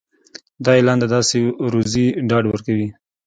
دا اعلان د داسې روزي ډاډ ورکوي.